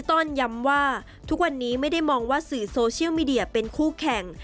ต้อนย้ำว่าทุกวันนี้ไม่ได้มองว่าสื่อโซเชียลมีเดียเป็นคู่แข่ง